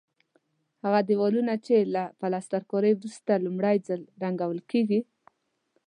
هغه دېوالونه چې له پلسترکارۍ وروسته لومړی ځل رنګول کېږي.